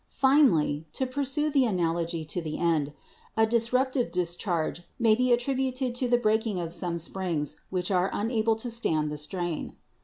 Finally, to pursue the analogy to the end, a dis ruptive discharge may be attributed to the breaking of some springs which are unable to stand the strain.